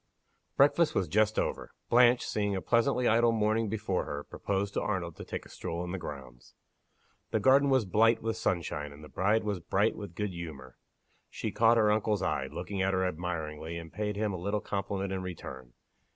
BREAKFAST was just over. Blanche, seeing a pleasantly idle morning before her, proposed to Arnold to take a stroll in the grounds. The garden was blight with sunshine, and the bride was bright with good humor. She caught her uncle's eye, looking at her admiringly, and paid him a little compliment in return.